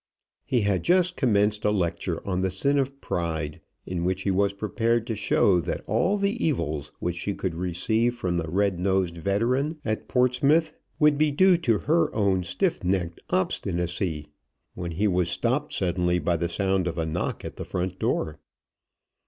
He had just commenced a lecture on the sin of pride, in which he was prepared to show that all the evils which she could receive from the red nosed veteran at Portsmouth would be due to her own stiff necked obstinacy, when he was stopped suddenly by the sound of a knock at the front door.